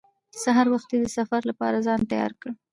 سهار وختي د سفر لپاره ځان تیار کړ.